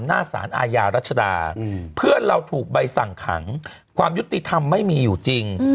หน้าสารอาญารัชดาเพื่อนเราถูกใบสั่งขังความยุติธรรมไม่มีอยู่จริง